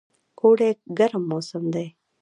اوړی ګرم موسم دی